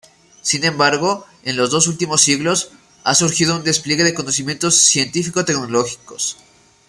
Sin embargo, en los dos últimos siglos, ha surgido un despliegue de conocimientos científico-tecnológicos.